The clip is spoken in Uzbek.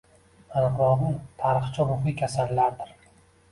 Aniqrog‘i, tarixchi-ruhiy kasallardir.